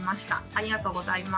ありがとうございます。